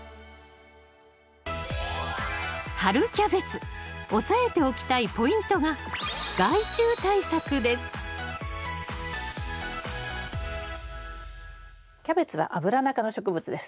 春キャベツ押さえておきたいポイントがキャベツはアブラナ科の植物です。